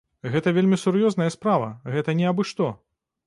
Гэта вельмі сур'ёзная справа, гэта не абы-што.